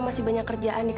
makasih ya sayang